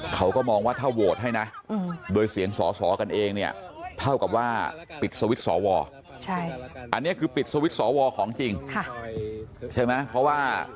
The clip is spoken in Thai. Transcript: เขาก็มองว่าถ้าโหวตให้นะโดยเสียงสอกันเองเนี่ยเท่ากับว่าปิดสวิทย์สอวอ